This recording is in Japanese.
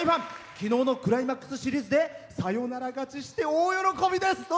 きのうのクライマックスシリーズでサヨナラ勝ちして大喜びです。